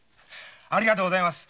ありがとうございます。